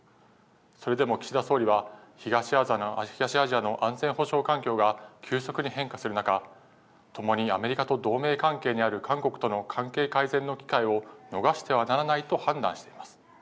それでも岸田総理は、東アジアの安全保障環境が急速に変化する中、ともにアメリカと同盟関係にある韓国との関係改善の機会を逃してはならないと判断しています。